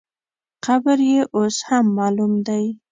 قبر یې اوس هم معلوم دی.